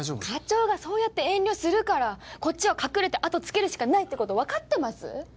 課長がそうやって遠慮するからこっちは隠れて後つけるしかないってこと分かってます？